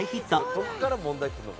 どこから問題くるの？